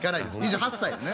２８歳ね。